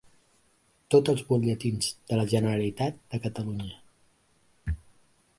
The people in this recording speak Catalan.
Tots els butlletins de la Generalitat de Catalunya.